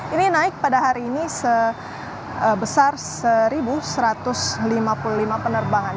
ini naik pada hari ini sebesar satu satu ratus lima puluh lima penerbangan